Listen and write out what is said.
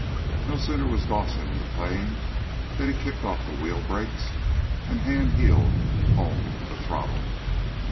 No sooner was Dawson in the plane than he kicked off the wheel brakes, and hand heeled home the throttle.